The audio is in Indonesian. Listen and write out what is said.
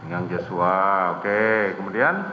pinggang joshua oke kemudian